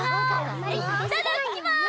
ピッ・いただきます。